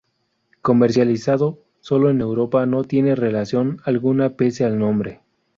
Comercializado sólo en Europa no tiene relación alguna pese al nombre.